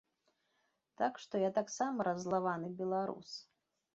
Так што, я таксама раззлаваны беларус.